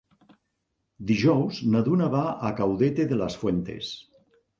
Dijous na Duna va a Caudete de las Fuentes.